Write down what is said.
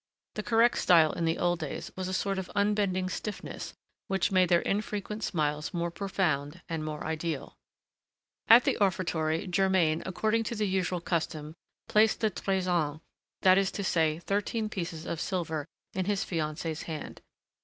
The correct style in the old days was a sort of unbending stiffness which made their infrequent smiles more profound and more ideal. At the offertory, Germain, according to the usual custom, placed the treizain that is to say, thirteen pieces of silver in his fiancée's hand.